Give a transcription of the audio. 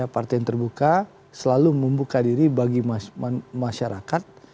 partai yang terbuka selalu membuka diri bagi masyarakat